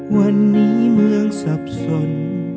วันนี้เมืองสับสน